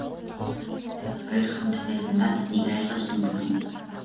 Өнөөдөр бид хоёр хамт байсандаа тэднийг айлгаж дөнгөсөн.